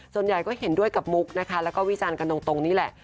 ส่วนใหญ่ก็เห็นด้วยกับมุกนะคะแล้วก็วิจารณ์กันตรงนี้แหละ